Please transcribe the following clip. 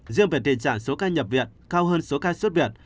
riêng về tình trạng số ca nhập viện cao hơn số ca xuất viện